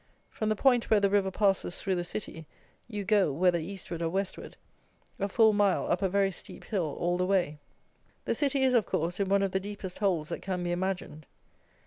From the point where the river passes through the city, you go, whether eastward or westward, a full mile up a very steep hill all the way. The city is, of course, in one of the deepest holes that can be imagined.